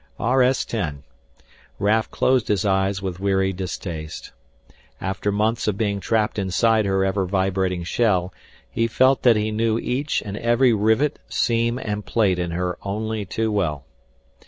RS 10 Raf closed his eyes with weary distaste. After months of being trapped inside her ever vibrating shell, he felt that he knew each and every rivet, seam, and plate in her only too well.